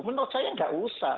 menurut saya nggak usah